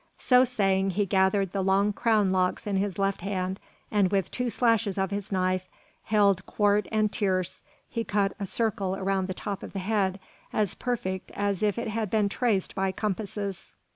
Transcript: So saying, he gathered the long crown locks in his left hand, and with two slashes of his knife, held quarte and tierce, he cut a circle around the top of the head, as perfect as if it had been traced by compasses.